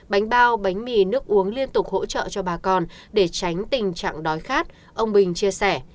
bánh bao bánh mì nước uống liên tục hỗ trợ cho bà con để tránh tình trạng đói khát ông bình chia sẻ